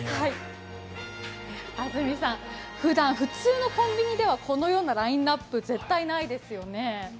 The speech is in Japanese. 安住さん、ふだん普通のコンビニではこのようなラインナップはありませんよね。